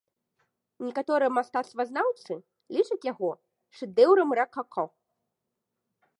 Некаторыя мастацтвазнаўцы лічаць яго шэдэўрам ракако.